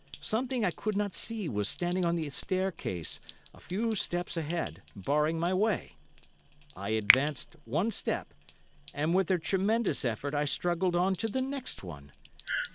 Something I could not see was standing on the staircase, a few steps ahead, barring my way. I advanced one step, and with a tremendous effort I struggled on to the next one.